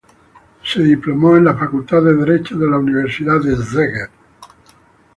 Se diplomó en la facultad de Derecho de la Universidad de Szeged.